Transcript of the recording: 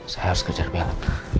saya harus kejar bela